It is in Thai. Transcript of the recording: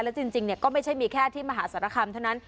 และจริงก็ไม่ใช่มีแค่ที่มหาสารคามเท่านั้น